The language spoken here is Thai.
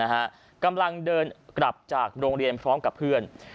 กำลังเดินกลับจากโรงเรียนพร้อมกับเพื่อน